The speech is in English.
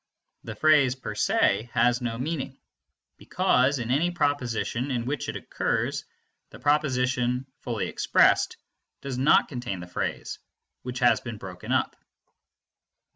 The phrase per se has no meaning, because in any proposition in which it occurs the proposition, fully expressed, does not contain the phrase, which has been broken up.